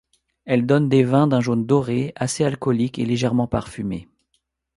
Elle donne des vins d'un jaune doré, assez alcoolique et légèrement parfumé.